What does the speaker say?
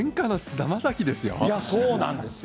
そうなんですよ。